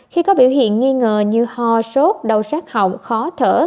năm khi có biểu hiện nghi ngờ như ho sốt đầu sát hỏng khó thở